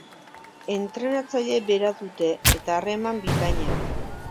Entrenatzaile bera dute eta harreman bikaina.